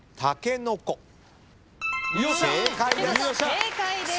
正解です。